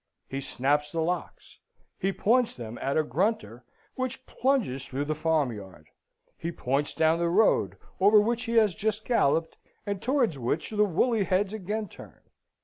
He snaps the locks. He points them at a grunter, which plunges through the farmyard. He points down the road, over which he has just galloped, and towards which the woolly heads again turn.